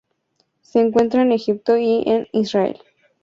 Se encuentra en Egipto y en Israel.